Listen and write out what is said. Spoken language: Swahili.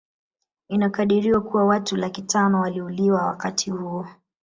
Inakadiriwa kuwa watu laki tano waliuliwa wakati huo